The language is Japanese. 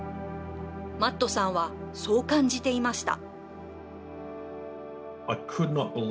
マットさんはそう感じていました。